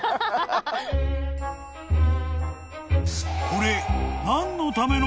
［これ］